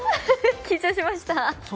緊張しました。